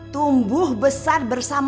tumbuh besar dan berkembang